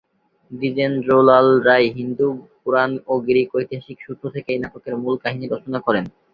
দ্বিজেন্দ্রলাল রায় হিন্দু পুরাণ ও গ্রিক ঐতিহাসিক সূত্র থেকে এই নাটকের মূল কাহিনী রচনা করেন।